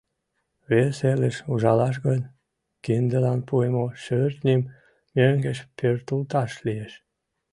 Вес элыш ужалаш гын, киндылан пуымо шӧртньым мӧҥгеш пӧртылташ лиеш.